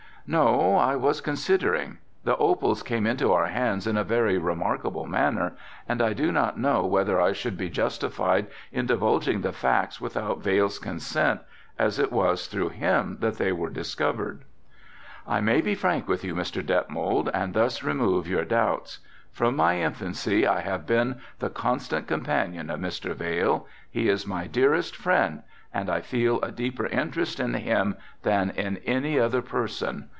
"No, I was considering; the opals came into our hands in a very remarkable manner and I do not know whether I should be justified in divulging the facts without Vail's consent, as it was through him that they were discovered." "I may be frank with you, Mr. Detmold, and thus remove your doubts. From my infancy I have been the constant companion of Mr. Vail, he is my dearest friend and I feel a deeper interest in him than in any other person.